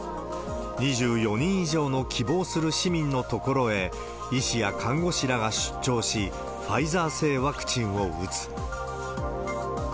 ２４人以上の希望する市民の所へ医師や看護師らが出張し、ファイザー製ワクチンを打つ。